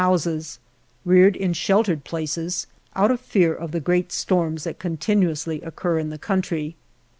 25 THE JOURNEY OF houses, 8 reared in sheltered places, out of fear of the great storms that continuously occur in the country.